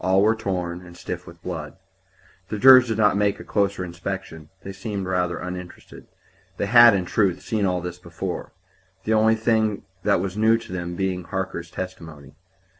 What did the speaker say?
All were torn, and stiff with blood. The jurors did not make a closer inspection. They seemed rather uninterested. They had, in truth, seen all this before; the only thing that was new to them being Harker's testimony.